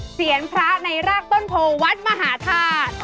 เสียงพระในรากต้นโพวัดมหาธาตุ